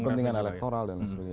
kepentingan elektoral dan sebagainya